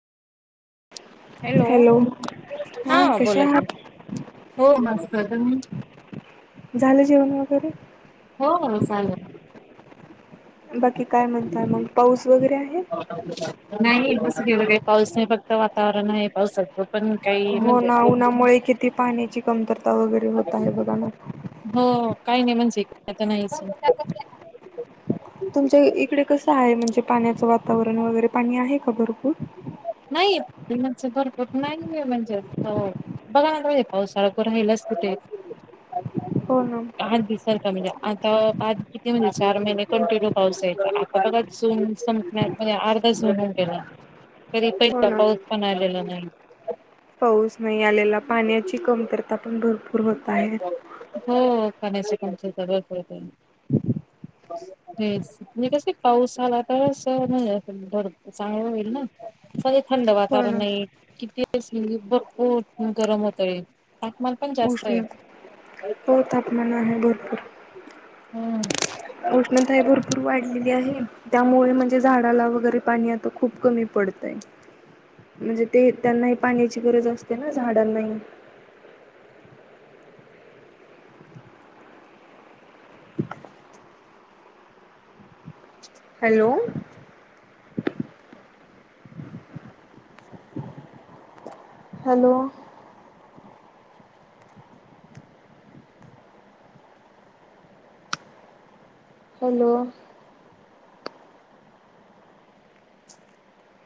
Hello हा कशा बोलायच आहात हो मस्त तुम्ही झालं जेवण वगैरे हो हो झालं बाकी काय म्हणताय मग पाऊस वगैरे आहे नाही पाऊस नाही फक्त वातावरण आहे पावसात हो ना उन्हामुळे किती पाण्याची कमतरता रस्ता वगैरे होता आहे बगना हो काही नाही म्हणज आता नाहीच तुमच्या इकडे कस आहे म्हणजे पाण्याचं वातावरण वगैरे पाणी आहे क भरपूर नाहीण भरपूर नाही म्हणजे बघा ना पावसाळा राहिलाच कुठे हो ना आठ दिवसारखा म्हणजे आता आज किती म्हणजे चार महिने कंटिन्यू पाऊस या आता बघा जून संपण्यात म्हणजे अर्धा जून होऊन गेला तरी हो पैसा ना पाऊस पण आलेला नाही पाऊस नाही आलेला पाण्याची कमतरता पण भरपूर होत आहे हम्म खण्याकाण्या हेच म्हणजे कस पाऊस आला तर अस चांगलं होईल ना होय थंड हो वातावर ना किती [unintelligible] नाही म्हणजे भरपूर गरम होतय [unintelligible] उष्ण आहे. हो तापमान आहे भर हम्म. उष्णताही भरपूर वाढलेली आहे. त्यामुळे म्हणजे झाडाला वगैरे पाणी आता खूप कमी पडतयं म्हणजे ते त्यांनाही पाण्याची गरज असते ना झाडांनाही. हॅलो. हॅलो. हॅलो.